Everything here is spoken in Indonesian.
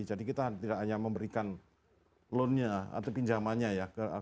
jadi kita tidak hanya memberikan loan nya atau pinjamannya ya